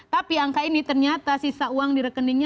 tapi angka ini ternyata sisa uang di rekeningnya